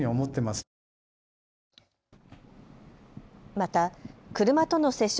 また車との接触